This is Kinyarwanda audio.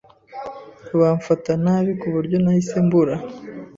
Bamfata nabi kuburyo nahise mbura.